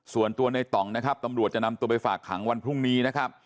ส่วนตัวในตองตำรวจจะนำตัวไปฝากขังวันพรุงนี้